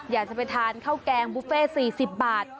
อยากจะไปทานข้าวแกงบุฟเฟ่๔๐บาท